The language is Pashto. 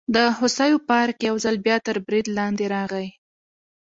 د هوسیو پارک یو ځل بیا تر برید لاندې راغی.